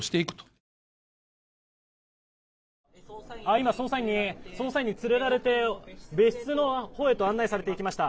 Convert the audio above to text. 今、捜査員に連れられて別室のほうへと案内されていきました。